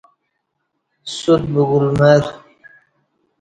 سوت بگول مر